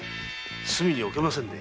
隅に置けませんね。